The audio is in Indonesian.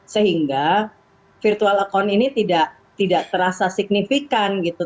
sehingga virtual account ini tidak terasa signifikan gitu